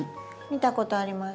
見たことあります。